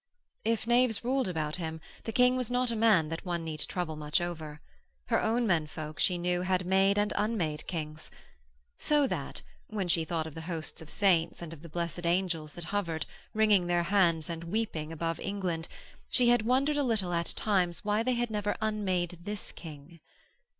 If knaves ruled about him, the King was not a man that one need trouble much over. Her own men folk, she knew, had made and unmade Kings. So that, when she thought of the hosts of saints and of the blessed angels that hovered, wringing their hands and weeping above England, she had wondered a little at times why they had never unmade this King.